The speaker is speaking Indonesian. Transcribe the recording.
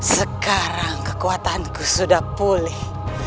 sekarang kekuatanku sudah pulih